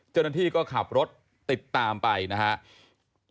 เจ้าหน้าที่ก็ขับรถติดตามไปนะครับ